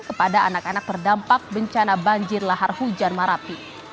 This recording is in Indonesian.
kepada anak anak terdampak bencana banjir lahar hujan marapi